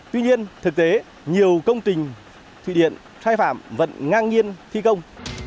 tuy nhiên thực tế nhiều công trình thủy điện sai phạm vẫn ngang nhiên thi công